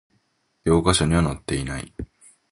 教科書には載っていない